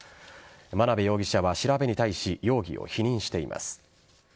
真鍋容疑者は調べに対し容疑を否認しています。